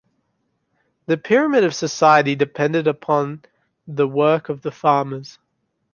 The pyramid of society depended upon the work of the farmers.